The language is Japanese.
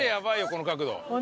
この角度。